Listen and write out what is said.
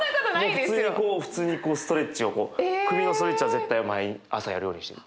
もう普通にこう普通にこうストレッチをこう首のストレッチは絶対毎朝やるようにしてる。